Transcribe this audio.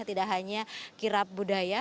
tidak hanya kirap budaya